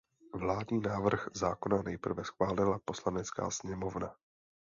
Vládní návrh zákona nejprve schválila poslanecká sněmovna.